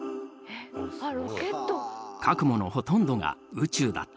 描くものほとんどが宇宙だった。